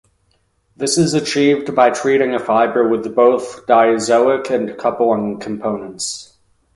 This is achieved by treating a fiber with both diazoic and coupling components.